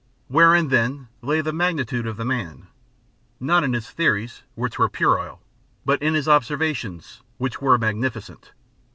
Wherein then lay the magnitude of the man? not in his theories, which were puerile, but in his observations, which were magnificent.